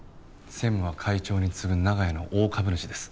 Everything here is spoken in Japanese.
専務は会長に次ぐ長屋の大株主です。